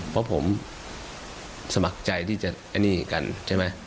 เพราะผมสมัครใจที่จะไอ้นี่กันใช่ไหม